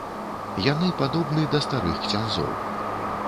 Яны падобны да старых ксяндзоў.